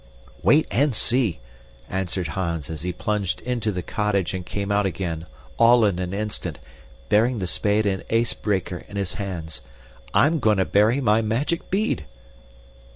"Wait and see!" answered Hans as he plunged into the cottage and came out again, all in an instant, bearing the spade and ysbreeker in his hands. "I'm going to bury my magic bead!"